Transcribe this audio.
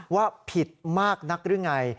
ว่าผิดมากนักหรือไง